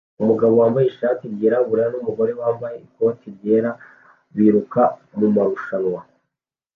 Umugabo wambaye ikoti ryirabura numugore wambaye ikoti ryera biruka mumarushanwa